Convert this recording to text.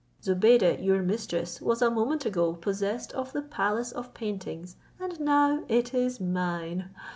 Zobeide, your mistress, was a moment ago possessed of the palace of paintings, and now it is mine.